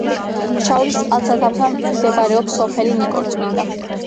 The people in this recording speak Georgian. შაორის წყალსაცავთან მდებარეობს სოფელი ნიკორწმინდა.